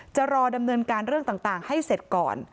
จะรอดำเนินการเรื่องต่างให้เสร็จก่อน